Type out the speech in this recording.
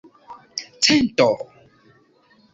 cento